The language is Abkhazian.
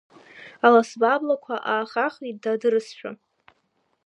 Аласба аблақәа аахаахеит дадырызшәа.